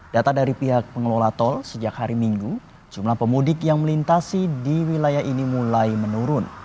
data dari pihak pengelola tol sejak hari minggu jumlah pemudik yang melintasi di wilayah ini mulai menurun